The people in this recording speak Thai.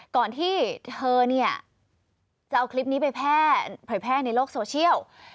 ก่อนที่เธอเนี่ยจะเอาคลิปนี้ไปเผยแพร่ในโลกโซเชียล